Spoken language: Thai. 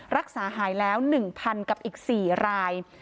รักษาหายแล้ว๑๐๐๐กับอีก๔ราย